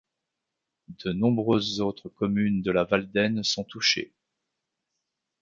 De nombreuses autres communes de la Valdaine sont touchées.